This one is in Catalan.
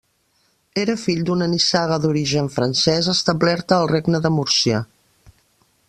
Era fill d'una nissaga d'origen francés establerta al regne de Múrcia.